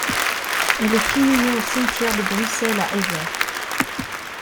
Elle est inhumée au cimetière de Bruxelles à Evere.